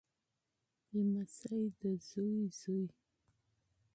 لمسی دزوی زوی